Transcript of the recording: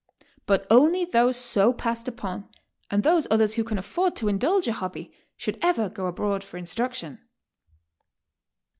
But only those so passed upon, and those others who can aftord to indulge a hobby, should ever go abroad fo*r instruction."